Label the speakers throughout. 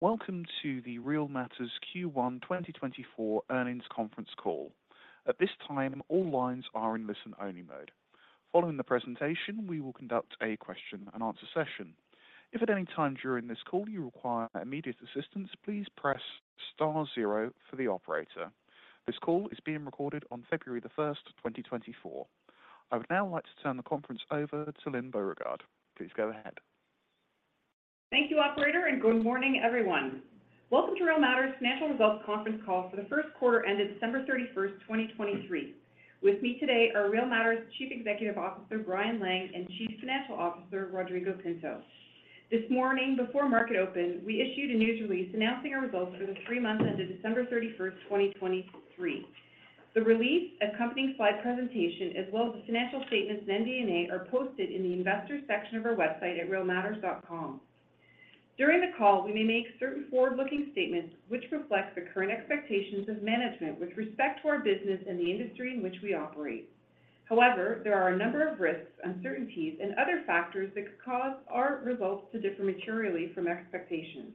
Speaker 1: Welcome to the Real Matters Q1 2024 earnings conference call. At this time, all lines are in listen-only mode. Following the presentation, we will conduct a question and answer session. If at any time during this call you require immediate assistance, please press star zero for the operator. This call is being recorded on February 1st, 2024. I would now like to turn the conference over to Lyne Beauregard. Please go ahead.
Speaker 2: Thank you, operator, and good morning, everyone. Welcome to Real Matters financial results conference call for the first quarter ended December 31st, 2023. With me today are Real Matters Chief Executive Officer, Brian Lang, and Chief Financial Officer, Rodrigo Pinto. This morning, before market open, we issued a news release announcing our results for the three months ended December 31st, 2023. The release, accompanying slide presentation, as well as the financial statements and MD&A are posted in the Investors section of our website at realmatters.com. During the call, we may make certain forward-looking statements which reflect the current expectations of management with respect to our business and the industry in which we operate. However, there are a number of risks, uncertainties, and other factors that could cause our results to differ materially from expectations.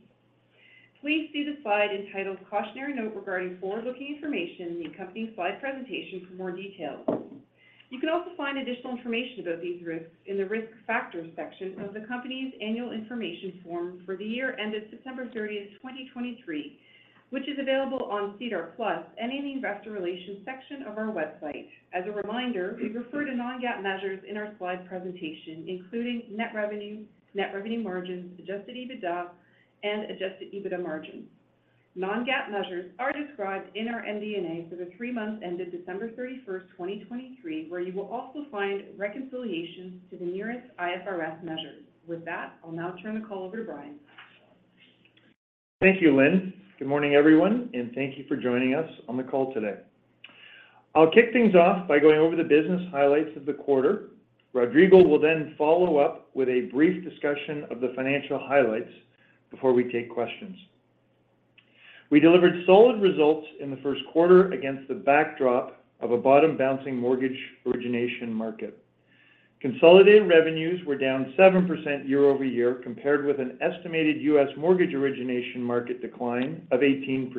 Speaker 2: Please see the slide entitled Cautionary Note regarding forward-looking information in the accompanying slide presentation for more details. You can also find additional information about these risks in the Risk Factors section of the company's Annual Information Form for the year ended September 30th, 2023, which is available on SEDAR+ and in the Investor Relations section of our website. As a reminder, we refer to non-GAAP measures in our slide presentation, including net revenue, net revenue margins, adjusted EBITDA, and adjusted EBITDA margins. Non-GAAP measures are described in our MD&A for the three months ended December 31st, 2023, where you will also find reconciliation to the nearest IFRS measures. With that, I'll now turn the call over to Brian.
Speaker 3: Thank you, Lyne. Good morning, everyone, and thank you for joining us on the call today. I'll kick things off by going over the business highlights of the quarter. Rodrigo will then follow up with a brief discussion of the financial highlights before we take questions. We delivered solid results in the first quarter against the backdrop of a bottom-bouncing mortgage origination market. Consolidated revenues were down 7% year-over-year, compared with an estimated U.S. mortgage origination market decline of 18%.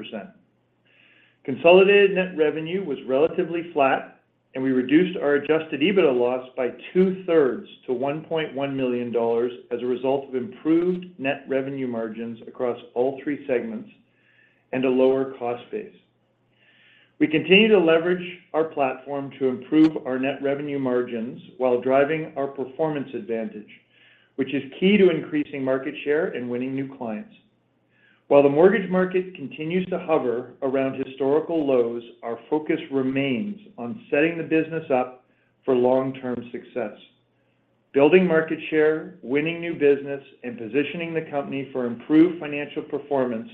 Speaker 3: Consolidated net revenue was relatively flat, and we reduced our adjusted EBITDA loss by 2/3 to $1.1 million as a result of improved net revenue margins across all three segments and a lower cost base. We continue to leverage our platform to improve our net revenue margins while driving our performance advantage, which is key to increasing market share and winning new clients. While the mortgage market continues to hover around historical lows, our focus remains on setting the business up for long-term success, building market share, winning new business, and positioning the company for improved financial performance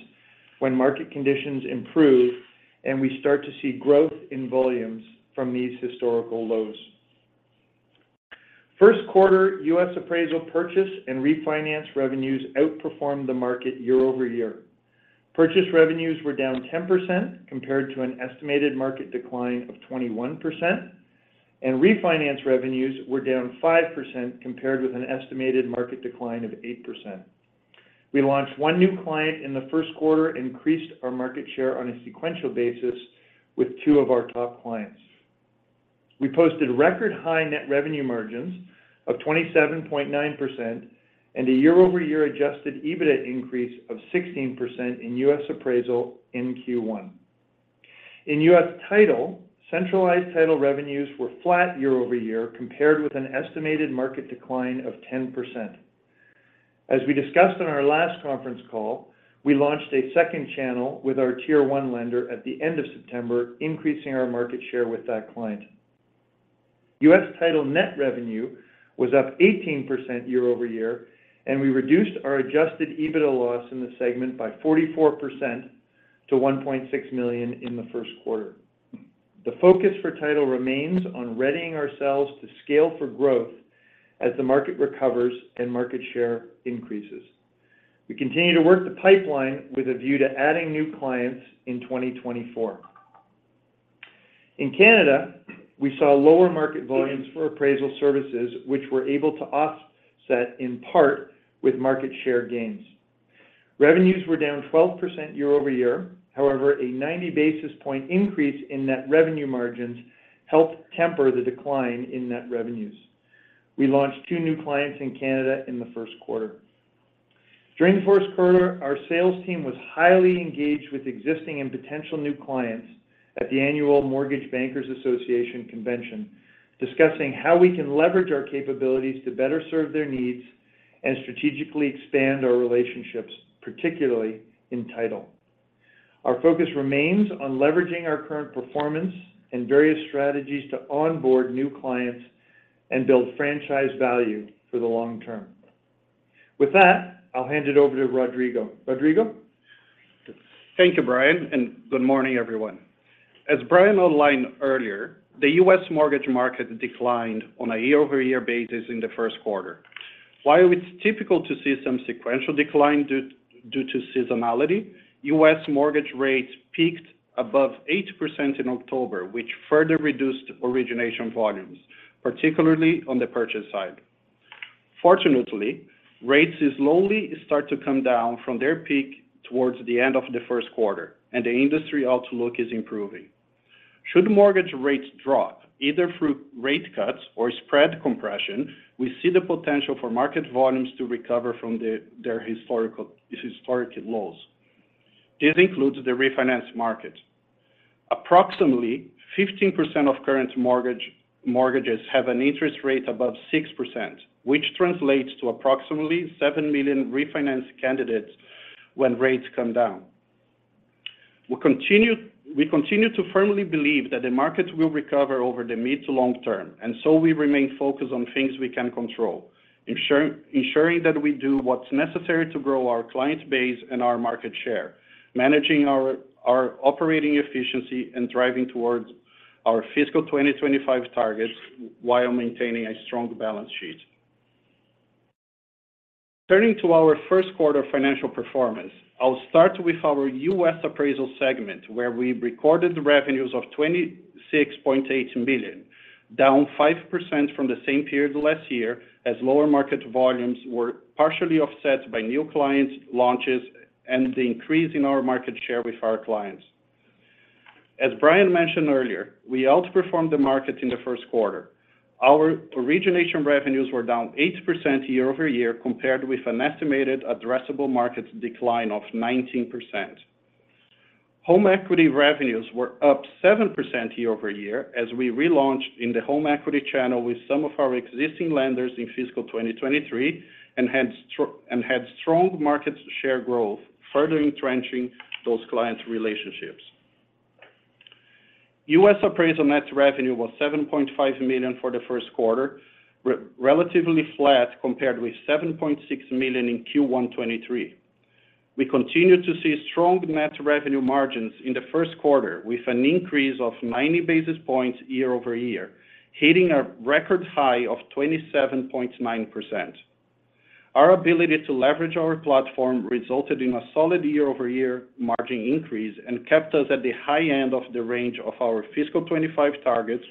Speaker 3: when market conditions improve and we start to see growth in volumes from these historical lows. First quarter, U.S. Appraisal purchase and refinance revenues outperformed the market year-over-year. Purchase revenues were down 10% compared to an estimated market decline of 21%, and refinance revenues were down 5% compared with an estimated market decline of 8%. We launched one new client in the first quarter, increased our market share on a sequential basis with two of our top clients. We posted record high net revenue margins of 27.9% and a year-over-year adjusted EBITDA increase of 16% in U.S. Appraisal in Q1. In U.S. Title, centralized title revenues were flat year-over-year, compared with an estimated market decline of 10%. As we discussed on our last conference call, we launched a second channel with our Tier 1 lender at the end of September, increasing our market share with that client. U.S. Title net revenue was up 18% year-over-year, and we reduced our adjusted EBITDA loss in the segment by 44% to $1.6 million in the first quarter. The focus for title remains on readying ourselves to scale for growth as the market recovers and market share increases. We continue to work the pipeline with a view to adding new clients in 2024. In Canada, we saw lower market volumes for appraisal services, which were able to offset, in part, with market share gains. Revenues were down 12% year-over-year. However, a 90 basis point increase in net revenue margins helped temper the decline in net revenues. We launched two new clients in Canada in the first quarter. During the first quarter, our sales team was highly engaged with existing and potential new clients at the annual Mortgage Bankers Association Convention, discussing how we can leverage our capabilities to better serve their needs and strategically expand our relationships, particularly in title. Our focus remains on leveraging our current performance and various strategies to onboard new clients and build franchise value for the long term. With that, I'll hand it over to Rodrigo. Rodrigo?
Speaker 4: Thank you, Brian, and good morning, everyone. As Brian outlined earlier, the U.S. mortgage market declined on a year-over-year basis in the first quarter. While it's typical to see some sequential decline due to seasonality, U.S. mortgage rates peaked above 8% in October, which further reduced origination volumes, particularly on the purchase side. Fortunately, rates slowly start to come down from their peak towards the end of the first quarter, and the industry outlook is improving. Should mortgage rates drop, either through rate cuts or spread compression, we see the potential for market volumes to recover from their historically low. This includes the refinance market. Approximately 15% of current mortgages have an interest rate above 6%, which translates to approximately seven million refinance candidates when rates come down. We continue to firmly believe that the market will recover over the mid- to long-term, and so we remain focused on things we can control: ensuring that we do what's necessary to grow our client base and our market share, managing our operating efficiency, and thriving towards our fiscal 2025 targets while maintaining a strong balance sheet. Turning to our first quarter financial performance, I'll start with our U.S. Appraisal segment, where we recorded revenues of $26.8 million, down 5% from the same period last year, as lower market volumes were partially offset by new clients, launches, and the increase in our market share with our clients. As Brian mentioned earlier, we outperformed the market in the first quarter. Our origination revenues were down 8% year-over-year, compared with an estimated addressable market decline of 19%. Home equity revenues were up 7% year-over-year as we relaunched in the home equity channel with some of our existing lenders in fiscal 2023, and had and had strong market share growth, further entrenching those client relationships. U.S. Appraisal net revenue was $7.5 million for the first quarter, relatively flat compared with $7.6 million in Q1 2023. We continued to see strong net revenue margins in the first quarter, with an increase of 90 basis points year-over-year, hitting a record high of 27.9%. Our ability to leverage our platform resulted in a solid year-over-year margin increase and kept us at the high end of the range of our fiscal 2025 targets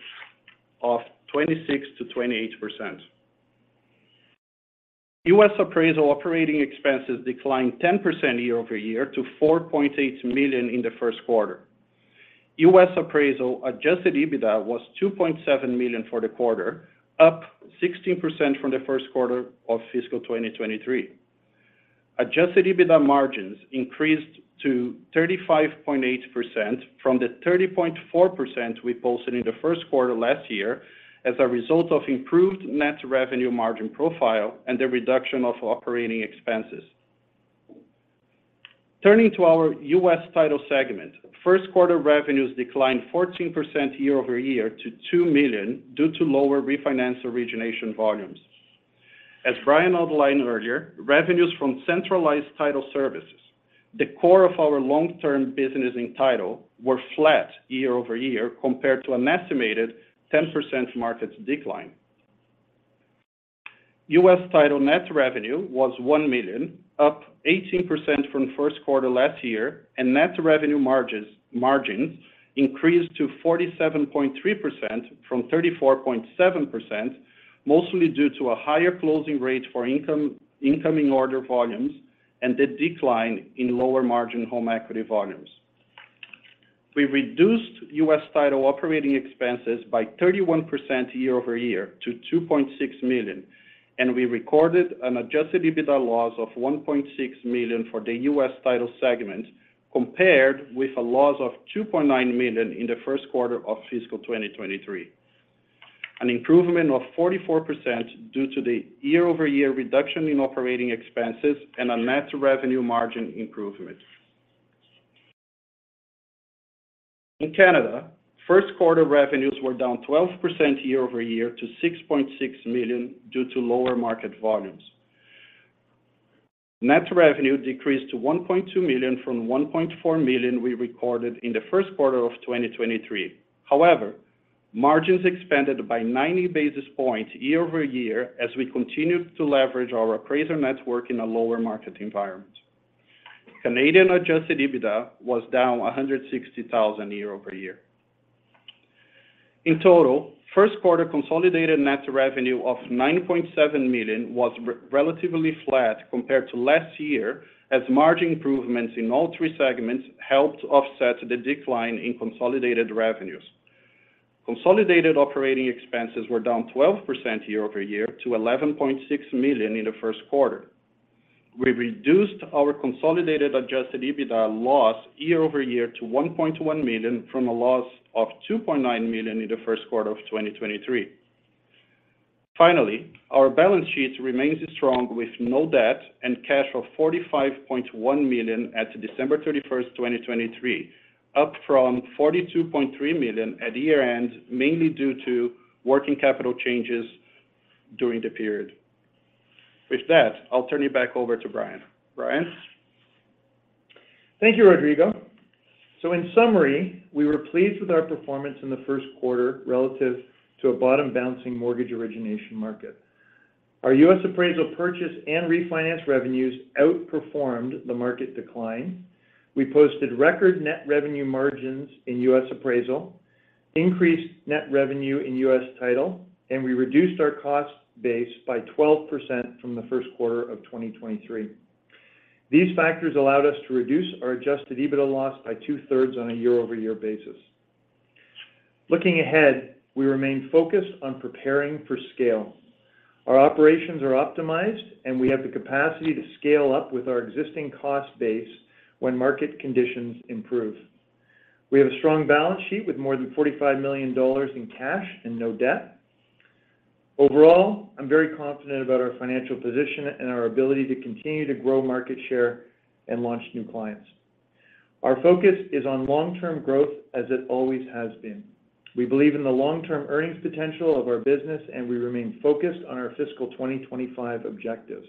Speaker 4: of 26%-28%. U.S. Appraisal operating expenses declined 10% year-over-year to $4.8 million in the first quarter. U.S. Appraisal adjusted EBITDA was $2.7 million for the quarter, up 16% from the first quarter of fiscal 2023. Adjusted EBITDA margins increased to 35.8% from the 30.4% we posted in the first quarter last year, as a result of improved net revenue margin profile and the reduction of operating expenses. Turning to our U.S. Title segment, first quarter revenues declined 14% year-over-year to $2 million due to lower refinance origination volumes. As Brian outlined earlier, revenues from centralized title services, the core of our long-term business in title, were flat year-over-year compared to an estimated 10% market decline. U.S. Title net revenue was $1 million, up 18% from first quarter last year, and net revenue margin increased to 47.3% from 34.7%, mostly due to a higher closing rate for incoming order volumes and the decline in lower-margin home equity volumes. We reduced U.S. Title operating expenses by 31% year-over-year to $2.6 million, and we recorded an adjusted EBITDA loss of $1.6 million for the U.S. Title segment, compared with a loss of $2.9 million in the first quarter of fiscal 2023. An improvement of 44% due to the year-over-year reduction in operating expenses and a net revenue margin improvement. In Canada, first quarter revenues were down 12% year-over-year to $6.6 million due to lower market volumes. Net revenue decreased to $1.2 million from $1.4 million we recorded in the first quarter of 2023. However, margins expanded by 90 basis points year-over-year as we continued to leverage our appraiser network in a lower market environment. Canadian adjusted EBITDA was down $160,000 year-over-year. In total, first quarter consolidated net revenue of $9.7 million was relatively flat compared to last year, as margin improvements in all three segments helped offset the decline in consolidated revenues. Consolidated operating expenses were down 12% year-over-year to $11.6 million in the first quarter. We reduced our consolidated adjusted EBITDA loss year-over-year to $1.1 million from a loss of $2.9 million in the first quarter of 2023. Finally, our balance sheet remains strong with no debt and cash of $45.1 million at December 31st, 2023, up from $42.3 million at year-end, mainly due to working capital changes during the period. With that, I'll turn you back over to Brian. Brian?
Speaker 3: Thank you, Rodrigo. So in summary, we were pleased with our performance in the first quarter relative to a bottom-bouncing mortgage origination market. Our U.S. Appraisal purchase and refinance revenues outperformed the market decline. We posted record net revenue margins in U.S. Appraisal, increased net revenue in U.S. Title, and we reduced our cost base by 12% from the first quarter of 2023. These factors allowed us to reduce our adjusted EBITDA loss by 2/3 on a year-over-year basis. Looking ahead, we remain focused on preparing for scale. Our operations are optimized, and we have the capacity to scale up with our existing cost base when market conditions improve. We have a strong balance sheet with more than $45 million in cash and no debt. Overall, I'm very confident about our financial position and our ability to continue to grow market share and launch new clients. Our focus is on long-term growth, as it always has been. We believe in the long-term earnings potential of our business, and we remain focused on our fiscal 2025 objectives.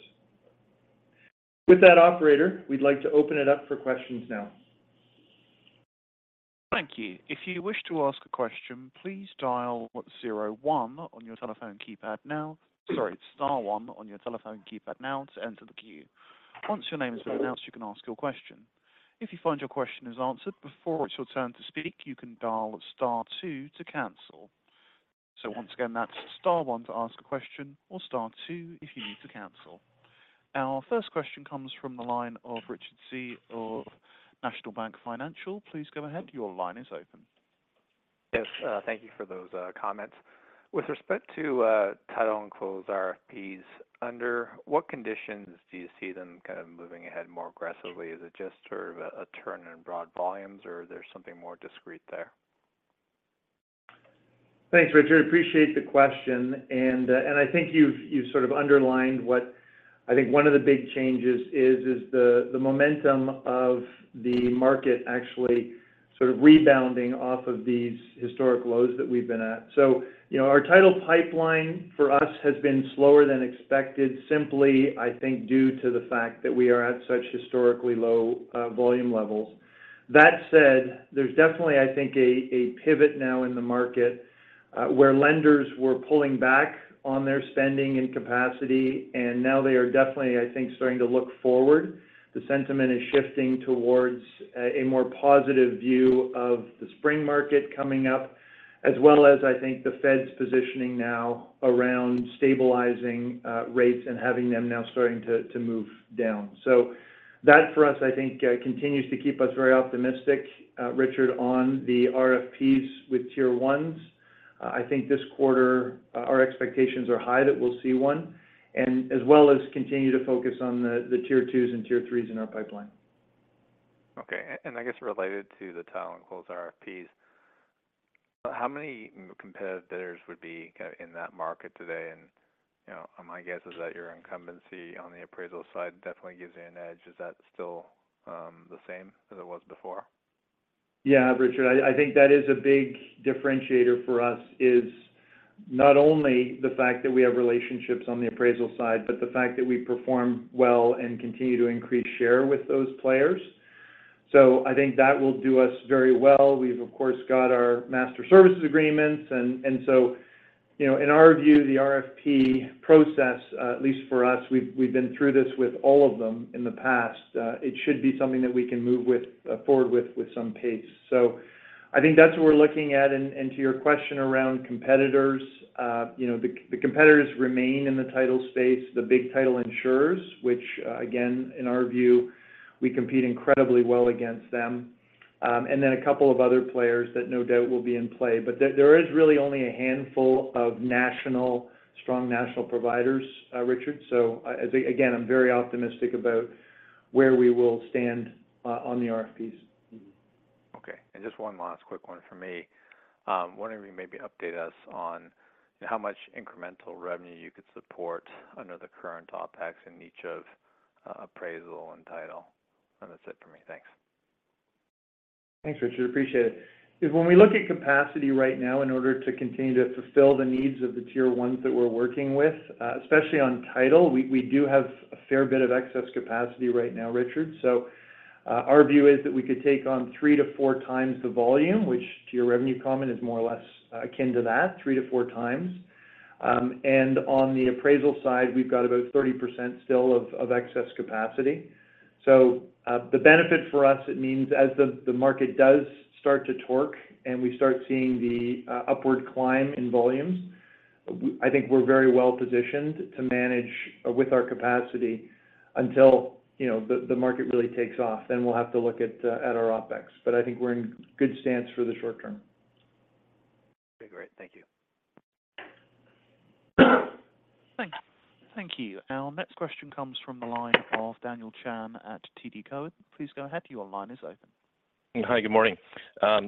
Speaker 3: With that, operator, we'd like to open it up for questions now.
Speaker 1: Thank you. If you wish to ask a question, please dial zero one on your telephone keypad now. Sorry, star one on your telephone keypad now to enter the queue. Once your name has been announced, you can ask your question. If you find your question is answered before it's your turn to speak, you can dial star two to cancel. So once again, that's star one to ask a question, or star two if you need to cancel. Our first question comes from the line of Richard Tse of National Bank Financial. Please go ahead. Your line is open.
Speaker 5: Yes, thank you for those comments. With respect to title and close RFPs, under what conditions do you see them kind of moving ahead more aggressively? Is it just sort of a turn in broad volumes, or there's something more discrete there?
Speaker 3: Thanks, Richard. Appreciate the question, and I think you've, you've sort of underlined what I think one of the big changes is, is the, the momentum of the market actually sort of rebounding off of these historic lows that we've been at. So, you know, our title pipeline for us has been slower than expected, simply, I think, due to the fact that we are at such historically low volume levels. That said, there's definitely, I think, a pivot now in the market, where lenders were pulling back on their spending and capacity, and now they are definitely, I think, starting to look forward. The sentiment is shifting towards a more positive view of the spring market coming up, as well as, I think, the Fed's positioning now around stabilizing rates and having them now starting to move down. So that for us, I think, continues to keep us very optimistic. Richard, on the RFPs with Tier 1s, I think this quarter, our expectations are high that we'll see one, and as well as continue to focus on the Tier 2s and Tier 3s in our pipeline.
Speaker 5: Okay. And I guess related to the title and close RFPs, how many competitors would be kind of in that market today? And, you know, my guess is that your incumbency on the appraisal side definitely gives you an edge. Is that still the same as it was before?
Speaker 3: Yeah, Richard, I, I think that is a big differentiator for us, is not only the fact that we have relationships on the appraisal side, but the fact that we perform well and continue to increase share with those players. So I think that will do us very well. We've, of course, got our master services agreements, and, and so, you know, in our view, the RFP process, at least for us, we've, we've been through this with all of them in the past. It should be something that we can move with, forward with, with some pace. So I think that's what we're looking at. And, and to your question around competitors, you know, the competitors remain in the title space, the big title insurers, which, again, in our view, we compete incredibly well against them. And then a couple of other players that no doubt will be in play. But there is really only a handful of national strong national providers, Richard. So I, again, I'm very optimistic about where we will stand on the RFPs.
Speaker 5: Okay. And just one last quick one for me. Wondering if you maybe update us on how much incremental revenue you could support under the current OpEx in each of, appraisal and title? And that's it for me. Thanks.
Speaker 3: Thanks, Richard. Appreciate it. When we look at capacity right now, in order to continue to fulfill the needs of the Tier 1s that we're working with, especially on title, we do have a fair bit of excess capacity right now, Richard. So, our view is that we could take on 3-4 times the volume, which to your revenue comment is more or less akin to that, 3-4 times. And on the appraisal side, we've got about 30% still of excess capacity. So, the benefit for us, it means as the market does start to torque and we start seeing the upward climb in volumes, I think we're very well positioned to manage with our capacity until, you know, the market really takes off. We'll have to look at, at our OpEx, but I think we're in good stance for the short term.
Speaker 5: Okay, great. Thank you.
Speaker 1: Thank you. Our next question comes from the line of Daniel Chan at TD Cowen. Please go ahead, your line is open.
Speaker 6: Hi, good morning.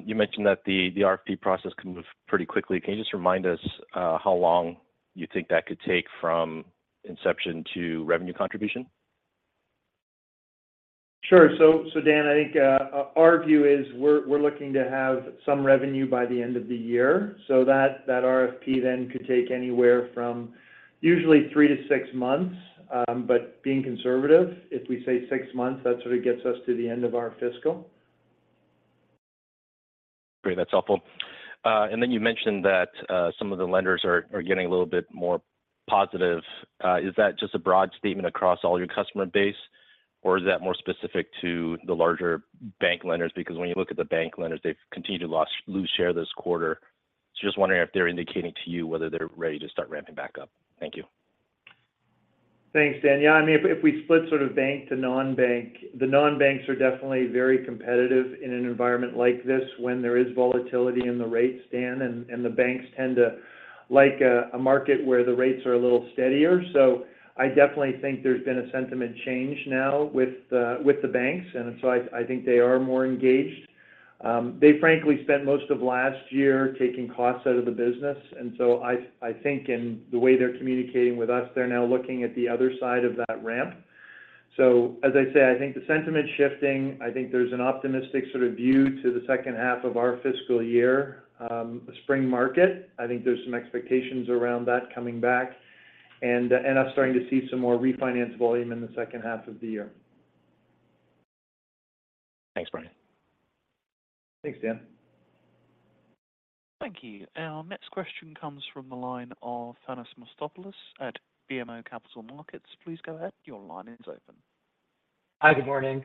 Speaker 6: You mentioned that the RFP process can move pretty quickly. Can you just remind us, how long you think that could take from inception to revenue contribution?
Speaker 3: Sure. So, Dan, I think our view is we're looking to have some revenue by the end of the year. So that RFP then could take anywhere from usually three to six months. But being conservative, if we say six months, that sort of gets us to the end of our fiscal.
Speaker 6: Great. That's helpful. And then you mentioned that some of the lenders are getting a little bit more positive, is that just a broad statement across all your customer base, or is that more specific to the larger bank lenders? Because when you look at the bank lenders, they've continued to lose share this quarter. So just wondering if they're indicating to you whether they're ready to start ramping back up. Thank you.
Speaker 3: Thanks, Dan. Yeah, I mean, if we split sort of bank to non-bank, the non-banks are definitely very competitive in an environment like this when there is volatility in the rate stance, and the banks tend to like a market where the rates are a little steadier. So I definitely think there's been a sentiment change now with the banks, and so I think they are more engaged. They frankly spent most of last year taking costs out of the business, and so I think in the way they're communicating with us, they're now looking at the other side of that ramp. So as I say, I think the sentiment is shifting. I think there's an optimistic sort of view to the second half of our fiscal year, spring market. I think there's some expectations around that coming back, and us starting to see some more refinance volume in the second half of the year.
Speaker 6: Thanks, Brian.
Speaker 3: Thanks, Dan.
Speaker 1: Thank you. Our next question comes from the line of Thanos Moschopoulos at BMO Capital Markets. Please go ahead. Your line is open.
Speaker 7: Hi, good morning.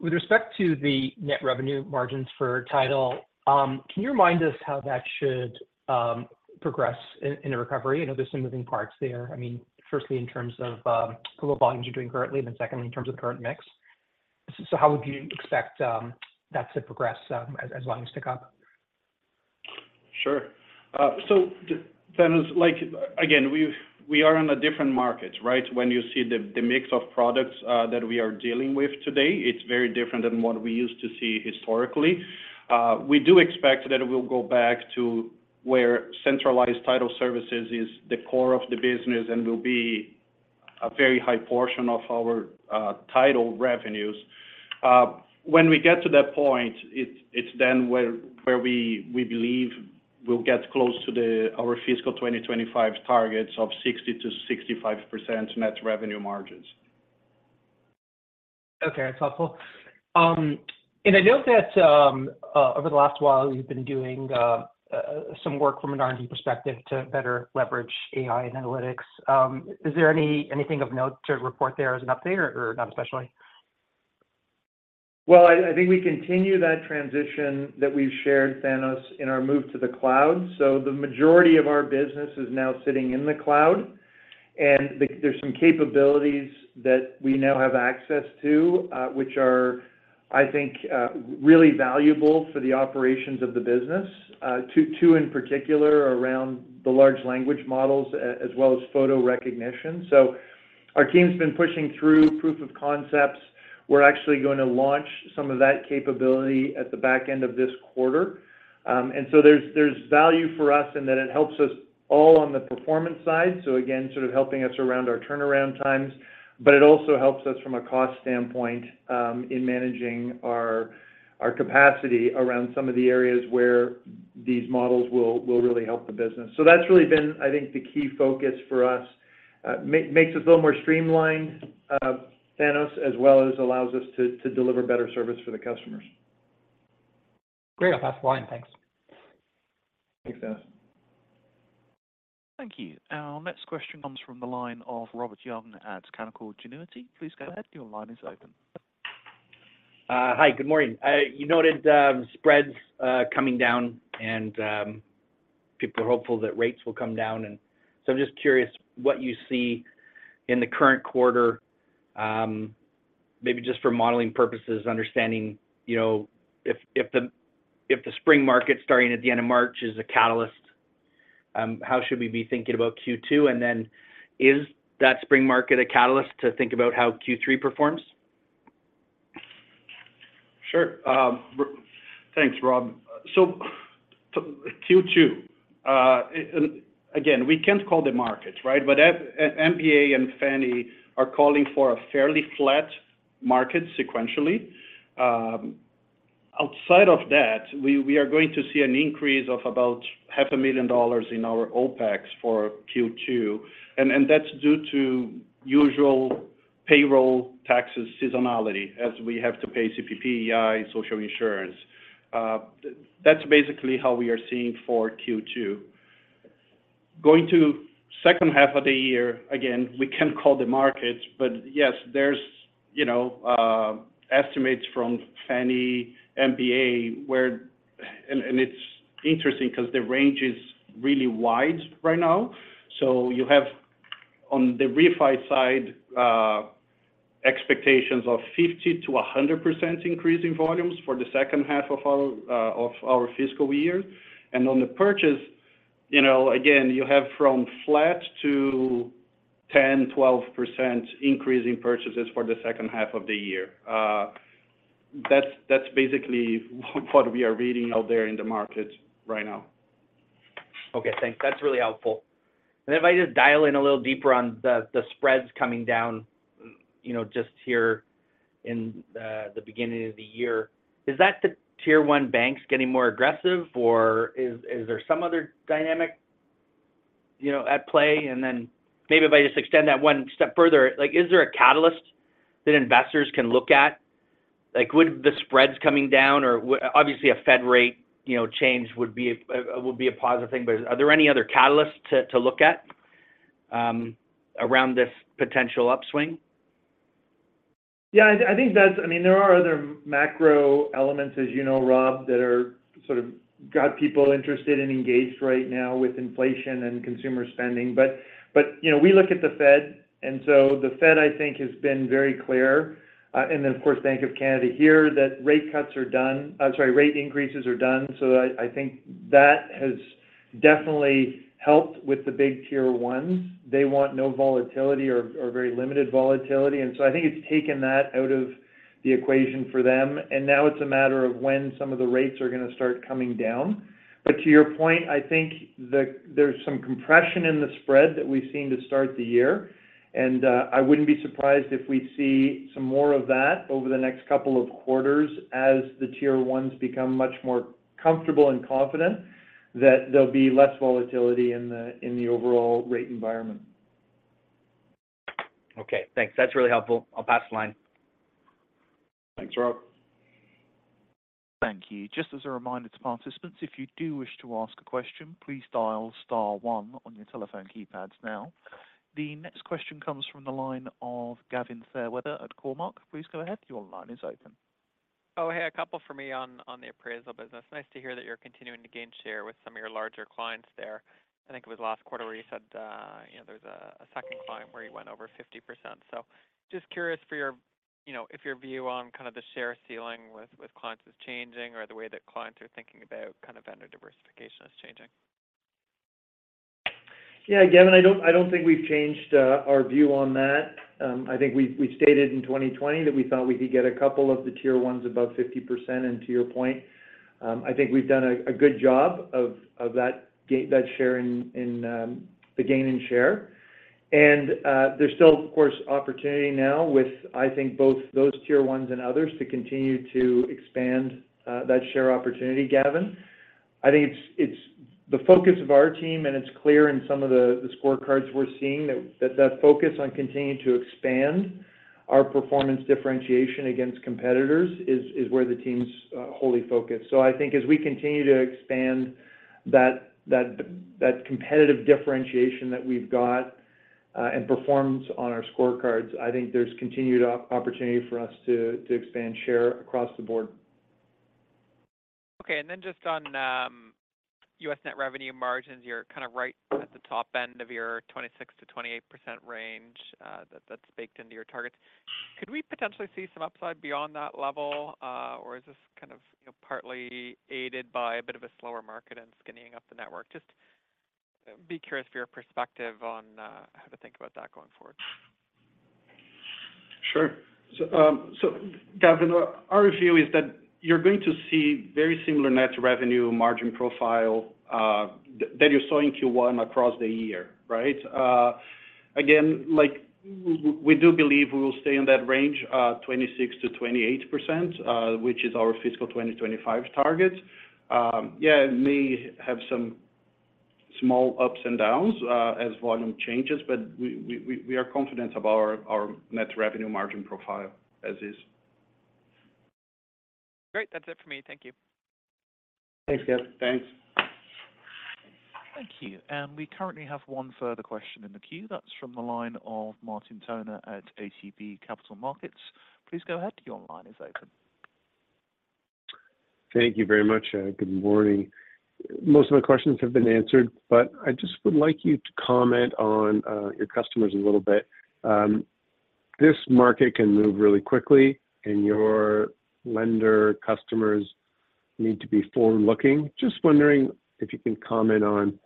Speaker 7: With respect to the net revenue margins for title, can you remind us how that should progress in a recovery? I know there's some moving parts there. I mean, firstly, in terms of the low volumes you're doing currently, and then secondly, in terms of the current mix. So how would you expect that to progress as lines tick up?
Speaker 3: Sure. So just Thanos, like again, we are in a different market, right? When you see the mix of products that we are dealing with today, it's very different than what we used to see historically. We do expect that it will go back to where centralized title services is the core of the business and will be a very high portion of our title revenues. When we get to that point, it's then where we believe we'll get close to our fiscal 2025 targets of 60%-65% net revenue margins.
Speaker 7: Okay, that's helpful. I note that over the last while, you've been doing some work from an R&D perspective to better leverage AI and analytics. Is there anything of note to report there as an update or not especially?
Speaker 3: Well, I think we continue that transition that we've shared, Thanos, in our move to the cloud. So the majority of our business is now sitting in the cloud, and there's some capabilities that we now have access to, which are, I think, really valuable for the operations of the business. Two in particular around the large language models as well as photo recognition. So our team's been pushing through proof of concepts. We're actually going to launch some of that capability at the back end of this quarter. And so there's value for us in that it helps us all on the performance side. So again, sort of helping us around our turnaround times, but it also helps us from a cost standpoint in managing our capacity around some of the areas where these models will really help the business. So that's really been, I think, the key focus for us. Makes us a little more streamlined, Thanos, as well as allows us to deliver better service for the customers.
Speaker 7: Great. I'll pass the line. Thanks.
Speaker 3: Thanks, Thanos.
Speaker 1: Thank you. Our next question comes from the line of Robert Young at Canaccord Genuity. Please go ahead. Your line is open.
Speaker 8: Hi, good morning. You noted spreads coming down, and people are hopeful that rates will come down, and so I'm just curious what you see in the current quarter, maybe just for modeling purposes, understanding, you know, if the spring market starting at the end of March is a catalyst, how should we be thinking about Q2? And then is that spring market a catalyst to think about how Q3 performs?
Speaker 3: Sure. Thanks, Rob. So, Q2, and again, we can't call the markets, right? But MBA and Fannie are calling for a fairly flat market sequentially. Outside of that, we are going to see an increase of about $0.5 million in our OpEx for Q2, and that's due to usual payroll taxes, seasonality, as we have to pay CPP, EI, social insurance. That's basically how we are seeing for Q2. Going to second half of the year, again, we can call the markets, but yes, there's, you know, estimates from Fannie, MBA, and it's interesting because the range is really wide right now. So you have, on the refi side, expectations of 50%-100% increase in volumes for the second half of our fiscal year. On the purchase, you know, again, you have from flat to 10%-12% increase in purchases for the second half of the year. That's basically what we are reading out there in the market right now.
Speaker 8: Okay, thanks. That's really helpful. And if I just dial in a little deeper on the spreads coming down, you know, just here in the beginning of the year. Is that the Tier 1 banks getting more aggressive, or is there some other dynamic, you know, at play? And then maybe if I just extend that one step further, like, is there a catalyst that investors can look at? Like would the spreads coming down or obviously, a Fed rate, you know, change would be a positive thing, but are there any other catalysts to look at around this potential upswing?
Speaker 3: Yeah, I think that's, I mean, there are other macro elements, as you know, Rob, that are sort of got people interested and engaged right now with inflation and consumer spending. But, you know, we look at the Fed, and so the Fed, I think, has been very clear, and then, of course, Bank of Canada here, that rate cuts are done. I'm sorry, rate increases are done. So I think that has definitely helped with the big Tier 1s. They want no volatility or very limited volatility, and so I think it's taken that out of the equation for them, and now it's a matter of when some of the rates are gonna start coming down. But to your point, I think there's some compression in the spread that we've seen to start the year. I wouldn't be surprised if we see some more of that over the next couple of quarters as the Tier 1s become much more comfortable and confident that there'll be less volatility in the overall rate environment.
Speaker 8: Okay, thanks. That's really helpful. I'll pass the line.
Speaker 3: Thanks, Rob.
Speaker 1: Thank you. Just as a reminder to participants, if you do wish to ask a question, please dial star one on your telephone keypads now. The next question comes from the line of Gavin Fairweather at Cormark. Please go ahead. Your line is open.
Speaker 9: Oh, hey, a couple for me on the appraisal business. Nice to hear that you're continuing to gain share with some of your larger clients there. I think it was last quarter where you said, you know, there was a second client where you went over 50%. So just curious for your, you know, if your view on kind of the share ceiling with clients is changing or the way that clients are thinking about kind of vendor diversification is changing.
Speaker 3: Yeah, Gavin, I don't, I don't think we've changed our view on that. I think we stated in 2020 that we thought we could get a couple of the Tier 1s above 50%. And to your point, I think we've done a good job of that share in the gain and share. And there's still, of course, opportunity now with, I think, both those Tier 1s and others to continue to expand that share opportunity, Gavin. I think it's the focus of our team, and it's clear in some of the scorecards we're seeing that that focus on continuing to expand our performance differentiation against competitors is where the team's wholly focused. So I think as we continue to expand that competitive differentiation that we've got, and performs on our scorecards, I think there's continued opportunity for us to expand share across the board.
Speaker 9: Okay. And then just on U.S. net revenue margins, you're kind of right at the top end of your 26%-28% range, that's baked into your targets. Could we potentially see some upside beyond that level, or is this kind of, you know, partly aided by a bit of a slower market and skinnying up the network? Just be curious for your perspective on how to think about that going forward.
Speaker 3: Sure. So, Gavin, our view is that you're going to see very similar net revenue margin profile that you saw in Q1 across the year, right? Again, like, we do believe we will stay in that range, 26%-28%, which is our fiscal 2025 target. Yeah, it may have some small ups and downs as volume changes, but we are confident about our net revenue margin profile as is.
Speaker 9: Great. That's it for me. Thank you.
Speaker 3: Thanks, Gavin. Thanks.
Speaker 1: Thank you. We currently have one further question in the queue. That's from the line of Martin Toner at ATB Capital Markets. Please go ahead. Your line is open.
Speaker 10: Thank you very much. Good morning. Most of my questions have been answered, but I just would like you to comment on, your customers a little bit. This market can move really quickly, and your lender customers need to be forward-looking. Just wondering if you can comment on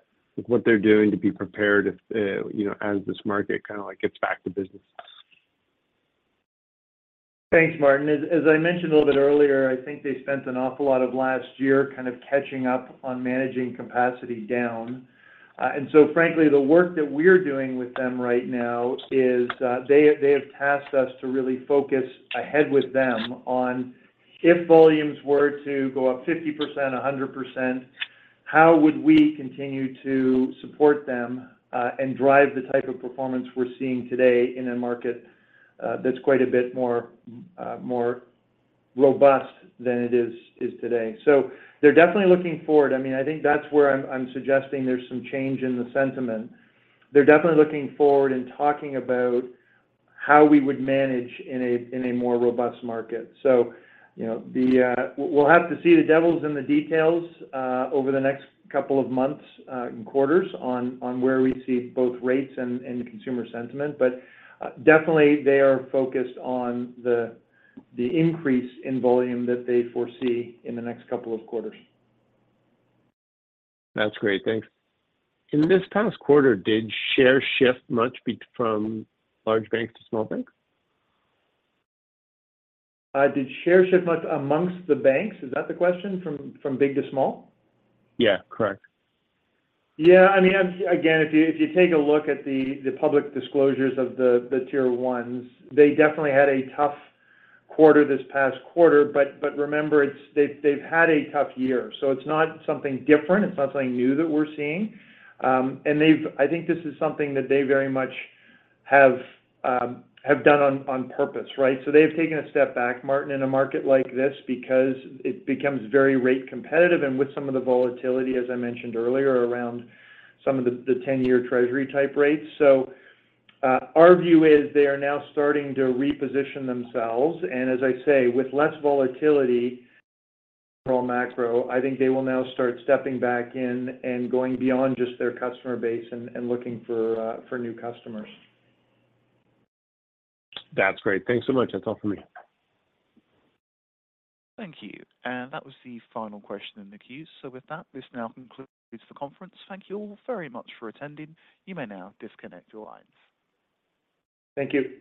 Speaker 10: what they're doing to be prepared if, you know, as this market kind of, like, gets back to business.
Speaker 3: Thanks, Martin. As I mentioned a little bit earlier, I think they spent an awful lot of last year kind of catching up on managing capacity down. And so frankly, the work that we're doing with them right now is they have tasked us to really focus ahead with them on if volumes were to go up 50%, 100%, how would we continue to support them and drive the type of performance we're seeing today in a market that's quite a bit more robust than it is today? So they're definitely looking forward. I mean, I think that's where I'm suggesting there's some change in the sentiment. They're definitely looking forward and talking about how we would manage in a more robust market. So, you know, the. We'll have to see the devils in the details, over the next couple of months, and quarters on where we see both rates and consumer sentiment. But, definitely they are focused on the increase in volume that they foresee in the next couple of quarters.
Speaker 10: That's great. Thanks. In this past quarter, did share shift much from large banks to small banks?
Speaker 3: Did share shift much among the banks? Is that the question, from big to small?
Speaker 10: Yeah, correct.
Speaker 3: Yeah, I mean, I'm again, if you, if you take a look at the public disclosures of the Tier 1s, they definitely had a tough quarter this past quarter. But remember, it's they've had a tough year, so it's not something different, it's not something new that we're seeing. And they've I think this is something that they very much have done on purpose, right? So they've taken a step back, Martin, in a market like this because it becomes very rate competitive and with some of the volatility, as I mentioned earlier, around some of the 10-year treasury type rates. Our view is they are now starting to reposition themselves, and as I say, with less volatility, macro, I think they will now start stepping back in and going beyond just their customer base and looking for new customers.
Speaker 10: That's great. Thanks so much. That's all for me.
Speaker 1: Thank you. That was the final question in the queue. With that, this now concludes the conference. Thank you all very much for attending. You may now disconnect your lines.
Speaker 3: Thank you.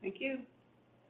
Speaker 2: Thank you.